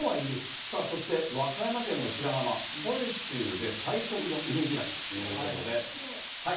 そして、和歌山県の白浜、本州で最速の海開きということで。